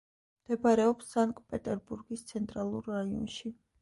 მდებარეობს სანქტ-პეტერბურგის ცენტრალურ რაიონში.